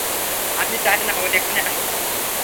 আমি চাই না ও এখানে আসুক।